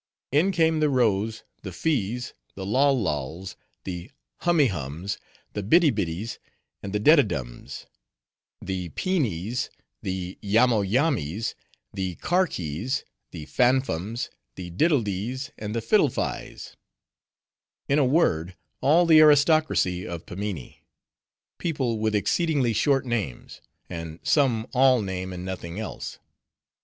In came the Roes, the Fees, the Lol Lols, the Hummee Hums, the Bidi Bidies, and the Dedidums; the Peenees, the Yamoyamees, the Karkies, the Fanfums, the Diddledees, and the Fiddlefies; in a word, all the aristocracy of Pimminee; people with exceedingly short names; and some all name, and nothing else.